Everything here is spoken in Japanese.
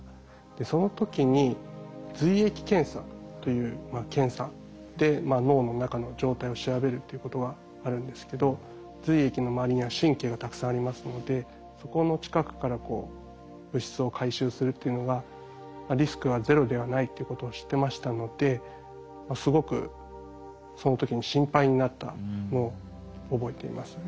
その時に髄液検査という検査で脳の中の状態を調べるっていうことがあるんですけど髄液の周りには神経がたくさんありますのでそこの近くから物質を回収するっていうのがリスクはゼロではないっていうことを知ってましたのですごくその時に心配になったのを覚えています。